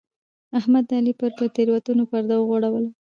احمد د علي پر تېروتنو پرده وغوړوله.